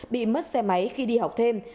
bị mất xe máy khi đi học thêm